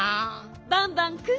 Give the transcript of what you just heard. バンバンくん。